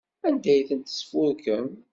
Anda ay tent-tesfurkem?